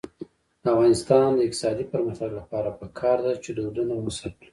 د افغانستان د اقتصادي پرمختګ لپاره پکار ده چې دودونه وساتو.